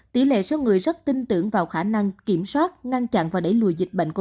tỷ lệ số người rất tin tưởng vào khả năng kiểm soát ngăn chặn và đẩy lùi dịch bệnh covid